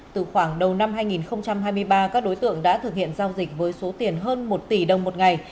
từ khoảng đầu năm hai nghìn hai mươi ba các đối tượng đã thực hiện giao dịch với số tiền hơn một tỷ đồng một ngày